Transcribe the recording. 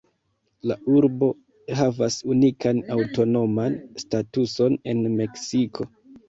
La urbo havas unikan aŭtonoman statuson en Meksiko.